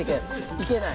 いけない？